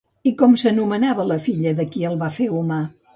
I com s'anomenava la filla de qui el va fer humà?